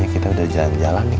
gak ada yang nyersain